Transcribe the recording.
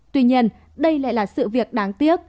tuy nhiên đây lại là sự việc đáng tiếc